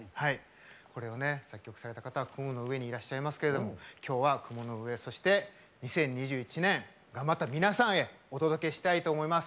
これを作曲された方は雲の上にいらっしゃいますけどきょうは雲の上、そして２０２１年、頑張った皆さんへお届けしたいと思います。